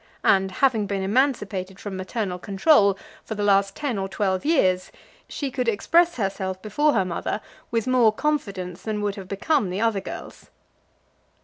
And, having been emancipated from maternal control for the last ten or twelve years, she could express herself before her mother with more confidence than would have become the other girls.